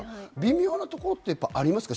微妙なところってありますか？